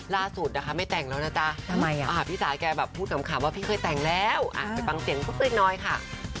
ล่าสุดนะคะไม่แต่งแล้วนะจ๊ะพี่จ๋าแกแบบพูดขำว่าพี่เคยแต่งแล้วไปฟังเสียงสักเล็กน้อยค่ะ